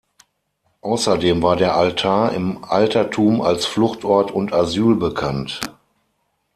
Außerdem war der Altar im Altertum als Fluchtort und Asyl bekannt.